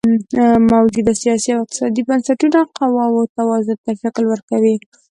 موجوده سیاسي او اقتصادي بنسټونه قواوو توازن ته شکل ورکوي.